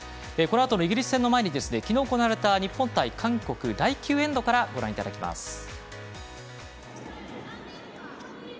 このあとのイギリス戦の前に昨日行われた日本対韓国第９エンドからご覧いただきます。